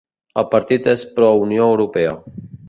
El partit és pro-Unió Europea.